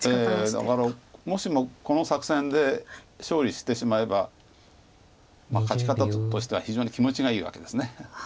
だからもしもこの作戦で勝利してしまえば勝ち方としては非常に気持ちがいいわけです。